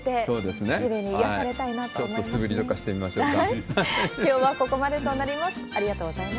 ちょっと素振りとかしてみましょうか。